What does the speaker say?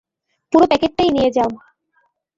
পুরো প্যাকেটটাই নিয়ে যাও।